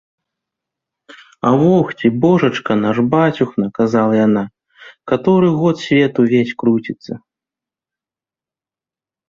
— Авохці, божачка наш, бацюхна, — казала яна, — каторы год свет увесь круціцца.